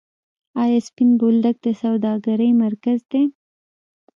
آیا سپین بولدک د سوداګرۍ مرکز دی؟